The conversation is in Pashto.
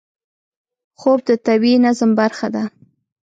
خوب د طبیعي نظم برخه ده